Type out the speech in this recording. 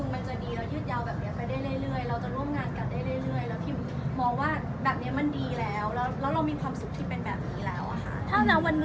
ไม่ได้หมายความว่าปิดโอกาสทีเดียวคุณไหมคะ